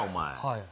はい。